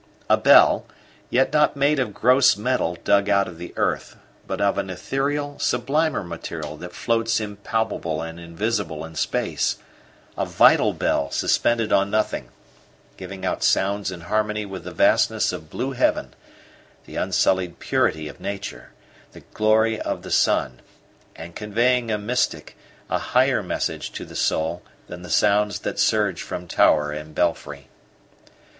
A bell, yet not made of gross metal dug out of earth, but of an ethereal, sublimer material that floats impalpable and invisible in space a vital bell suspended on nothing, giving out sounds in harmony with the vastness of blue heaven, the unsullied purity of nature, the glory of the sun, and conveying a mystic, a higher message to the soul than the sounds that surge from tower and belfry.